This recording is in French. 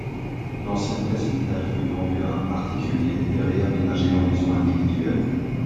L'ancien presbytère fut vendu à un particulier et réaménagé en maison individuelle.